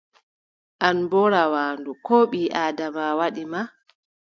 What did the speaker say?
An boo rawaandu, ko ɓii-Aadama waɗi ma?